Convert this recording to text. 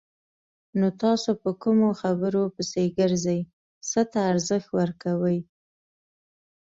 نو تاسو په کومو خبرو پسې ګرځئ! څه ته ارزښت ورکوئ؟